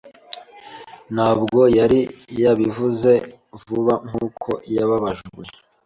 Ntabwo yari yabivuze vuba nkuko yababajwe.